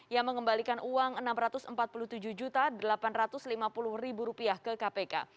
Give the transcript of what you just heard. yang mengembalikan uang rp enam ratus empat puluh tujuh delapan ratus lima puluh ke kpk